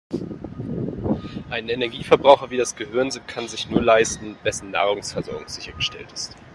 Einen Energieverbraucher wie das Gehirn kann sich nur leisten, wessen Nahrungsversorgung sichergestellt ist.